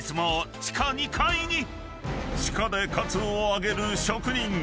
［地下でカツを揚げる職人］